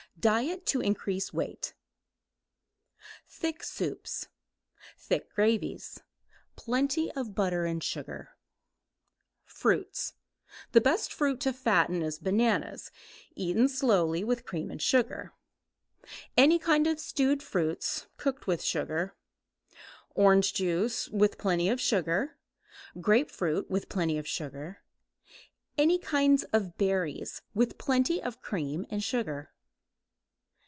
DIET TO INCREASE WEIGHT Thick soups. Thick gravies. Plenty of butter and sugar. Fruits. The best fruit to fatten is bananas, eaten slowly with cream and sugar. Any kind of stewed fruits, cooked with sugar. Orange juice, with plenty of sugar. Grapefruit, with plenty of sugar. Any kinds of berries, with plenty of cream and sugar.